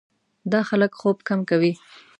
دا خلک خوب کم کوي.